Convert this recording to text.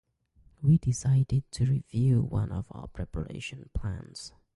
We decided to review one of our preparation plans.